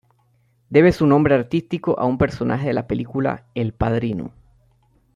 Debe su nombre artístico a un personaje de la película "El padrino".